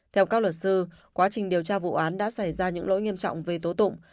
theo các luật sư quá trình điều tra vụ án đã xảy ra những lỗi nghiêm trọng về tố tụng